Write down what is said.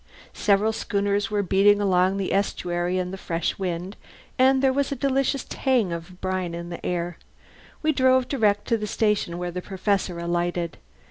Several schooners were beating along the estuary in the fresh wind, and there was a delicious tang of brine in the air. We drove direct to the station where the Professor alighted.